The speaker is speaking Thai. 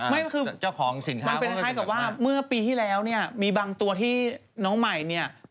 มันเป็นใช้กับว่าเมื่อปีที่แล้วมีบางตัวที่น้องใหม่